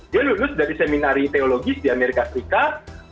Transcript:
dia lulus dari seminari teologis di amerika serikat